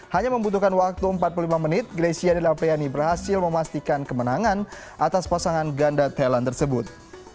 hanya membutuhkan waktu empat puluh lima menit grecia dan apriani berhasil memastikan kemenangan atas pasangan ganda thailand tersebut